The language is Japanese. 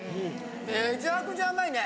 めちゃくちゃうまいね！